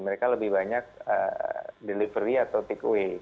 mereka lebih banyak delivery atau takeaway